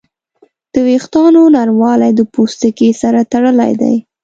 د وېښتیانو نرموالی د پوستکي سره تړلی دی.